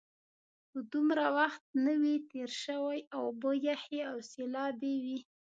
خو دومره وخت نه وي تېر شوی، اوبه یخې او سیلابي وې.